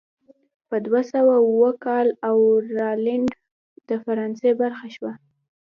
په دوه سوه اووه کال کې راینلنډ د فرانسې برخه شوه.